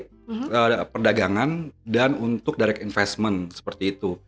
tapi dengan skema lctt itu hanya untuk trade perdagangan dan untuk direct investment seperti itu